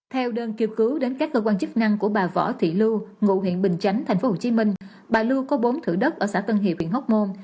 theo đơn kêu cứu đến các cơ quan chức năng của bà võ thị lưu ngụ huyện bình chánh tp hcm bà lưu có bốn thử đất ở xã tân hiệp huyện hóc môn